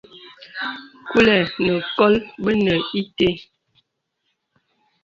Kūlə̀ nə̀ kol bə̄nē itē.